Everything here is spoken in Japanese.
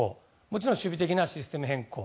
もちろん守備的なシステム変更